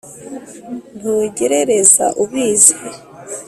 Ntugerereza ubizi